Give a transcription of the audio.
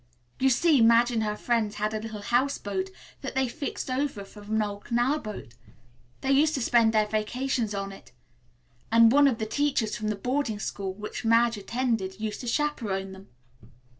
You see, Madge and her friends had a little houseboat that they fixed over from an old canal boat. They used to spend their vacations on it, and one of the teachers from the boarding school which Madge attended used to chaperon them.